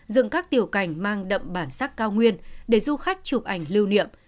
dựng các tiểu cảnh mang đậm bản sắc cao nguyên để du khách chụp ảnh lưu niệm